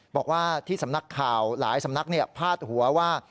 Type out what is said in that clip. บอกว่าที่สำนักข่าวหลายสำนักพาดหัวว่า